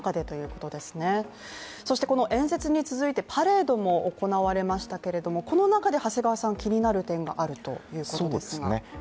そして、演説に続いてパレードも行われましたけれども、この中で気になる点があるということですが？